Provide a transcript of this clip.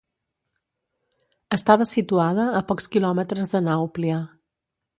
Estava situada a pocs quilòmetres de Nàuplia.